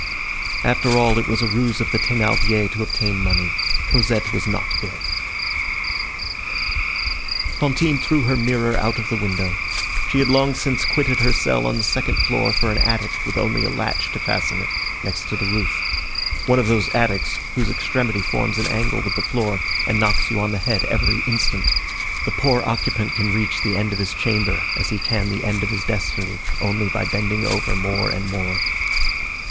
After all it was a ruse of the Thénardiers to obtain money. Cosette was not ill. Fantine threw her mirror out of the window. She had long since quitted her cell on the second floor for an attic with only a latch to fasten it, next the roof; one of those attics whose extremity forms an angle with the floor, and knocks you on the head every instant. The poor occupant can reach the end of his chamber as he can the end of his destiny, only by bending over more and more.